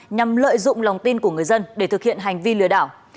nhằm lợi dụng lòng tin của người dân để thực hiện hành vi lừa đảo